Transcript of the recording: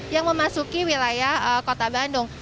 yang memasuki wilayah kota bandung